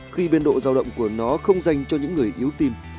khi biên độ giao động của nó không dành cho những người yếu tim